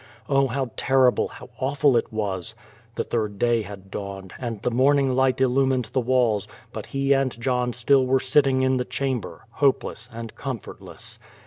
Oh, how terrible, how awful it was! 'f he third day had dawned, and the morning light illumined the walls, but he and John still were sitting in the chamber, hojieless and comfortless.